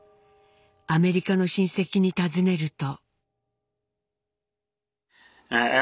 アメリカの親戚に尋ねると。